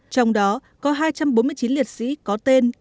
trong đó có hai trăm bốn mươi chín liệt sĩ có tên